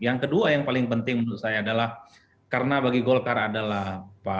yang kedua yang paling penting menurut saya adalah karena bagi golkar adalah pak erlangga itu adalah hak